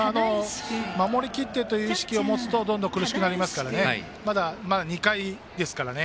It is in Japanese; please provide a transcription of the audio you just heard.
守りきってという意識を持つとどんどん苦しくなりますからまだ、２回ですからね。